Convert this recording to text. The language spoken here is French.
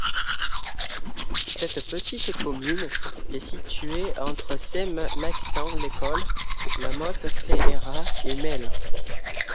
Cette petite commune est située entre Saint-Maixent-l'École, La Mothe-Saint-Heray et Melle.